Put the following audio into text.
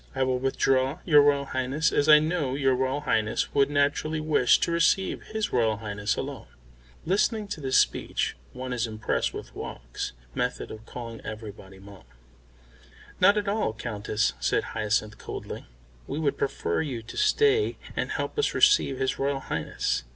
I will withdraw, your Royal Highness, as I know your Royal Highness would naturally wish to receive his Royal Highness alone." Listening to this speech one is impressed with Woggs' method of calling everybody "Mum." "Not at all, Countess," said Hyacinth coldly. "We would prefer you to stay and help us receive his Royal Highness.